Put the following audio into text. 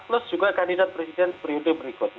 plus juga kandidat presiden pribadi presiden